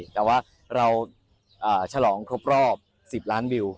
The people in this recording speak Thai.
แต่ว่าเราฉลองครบรอบ๑๐ล้านวิว